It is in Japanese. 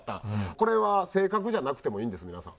これは正確じゃなくてもいいんです皆さん。